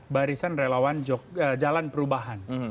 barisan relawan jalan perubahan